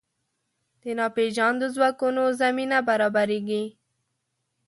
د ناپېژاندو ځواکونو زمینه برابرېږي.